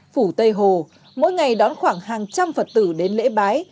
phủ tây hồ mỗi ngày đón khoảng hàng trăm phật tử đến lễ bái